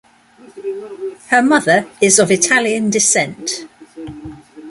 Her mother is of Italian descent.